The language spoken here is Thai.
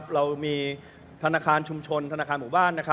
เรามีธนาคารชุมชนธนาคารหมู่บ้าน